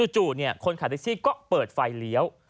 คนขับแท็กซี่ก็เปิดไฟเลี้ยว